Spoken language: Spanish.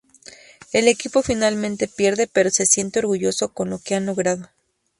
El equipo finalmente pierde, pero se siente orgulloso con lo que han logrado.